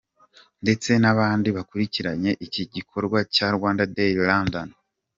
ndetse nabandi bakurikiranye iki gikorwa cya Rwanda Day London.